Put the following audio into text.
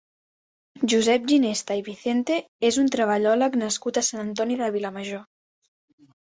Josep Ginesta i Vicente és un treballòleg nascut a Sant Antoni de Vilamajor.